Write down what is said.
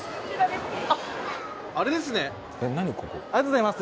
ありがとうございます。